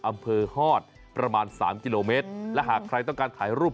อำเภอฮอตประมาณสามกิโลเมตรและหากใครต้องการถ่ายรูป